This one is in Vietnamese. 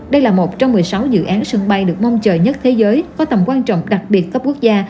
đây là một trong một mươi sáu dự án sân bay được mong chờ nhất thế giới có tầm quan trọng đặc biệt cấp quốc gia